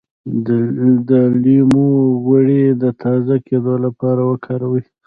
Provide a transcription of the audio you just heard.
د لیمو غوړي د تازه کیدو لپاره وکاروئ